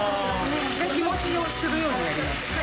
日持ちをするようになります。